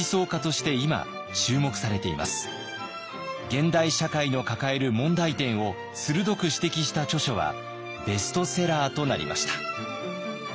現代社会の抱える問題点を鋭く指摘した著書はベストセラーとなりました。